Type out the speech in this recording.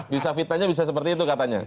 bisa fitnahnya bisa seperti itu katanya